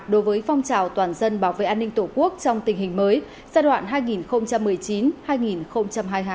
đối với phong trào toàn dân bảo vệ an ninh tổ quốc trong tình hình mới giai đoạn hai nghìn một mươi chín hai nghìn hai mươi hai